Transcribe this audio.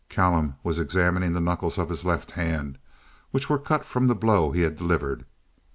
Callum was examining the knuckles of his left hand, which were cut from the blow he had delivered.